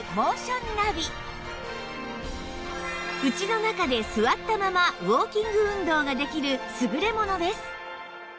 家の中で座ったままウォーキング運動ができる優れものです